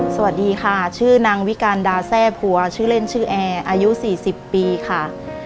สวัสดีค่ะชื่อนางวิการดาแซ่พัวชื่อเล่นชื่อแอร์อายุ๔๐ปีค่ะ